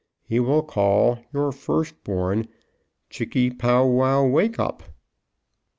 He will call your first born Chicky pow wow wake up."